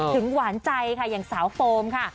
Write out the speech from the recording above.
หวานใจค่ะอย่างสาวโฟมค่ะ